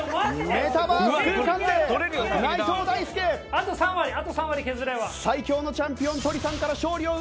メタバース空間で内藤大助最強のチャンピオンとりさんから勝利を奪うのか！？